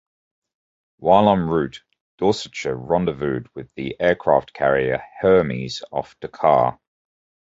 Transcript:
While en route, "Dorsetshire" rendezvoused with the aircraft carrier "Hermes" off Dakar.